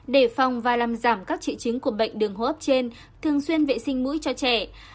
đề phòng và làm giảm các triệu chứng của bệnh đường hô hấp trên thường xuyên vệ sinh mũi cho trẻ